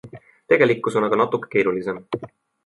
Tegelikkus on aga natukene keerulisem.